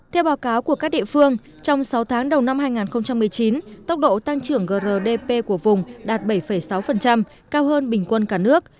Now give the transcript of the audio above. theo báo cáo của các địa phương trong sáu tháng đầu năm hai nghìn một mươi chín tốc độ tăng trưởng grdp của vùng đạt bảy sáu cao hơn bình quân cả nước